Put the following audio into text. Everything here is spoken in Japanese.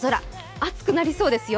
暑くなりそうですよ。